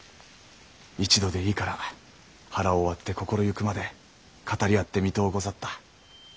一度でいいから腹を割って心ゆくまで語り合ってみとうござった。